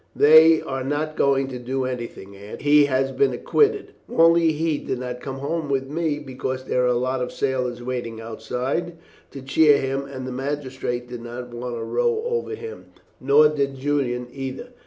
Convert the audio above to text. "They are not going to do anything, Aunt. He has been acquitted. Only he did not come home with me because there are a lot of sailors waiting outside to cheer him, and the magistrates did not want a row over him, nor did Julian either.